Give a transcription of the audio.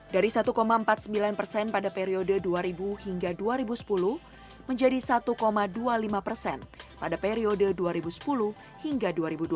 dari satu empat puluh sembilan persen pada periode dua ribu hingga dua ribu sepuluh menjadi satu dua puluh lima persen pada periode dua ribu sepuluh hingga dua ribu dua puluh